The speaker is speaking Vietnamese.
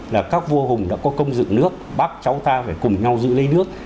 là các vô hùng đã có công dựng nước bác cháu ta phải cùng nhau dựng lấy nước